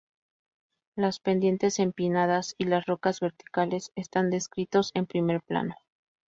Las pendientes empinadas y las rocas verticales están descritos en primer plano.